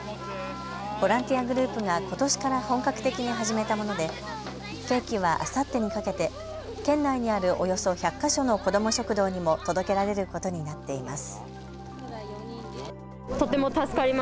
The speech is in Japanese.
ボランティアグループがことしから本格的に始めたものでケーキはあさってにかけて県内にあるおよそ１００か所の子ども食堂にも届けられることになっています。